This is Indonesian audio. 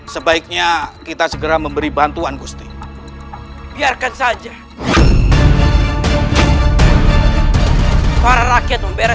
sehingga kita bisa mencari kemampuan untuk mencari kemampuan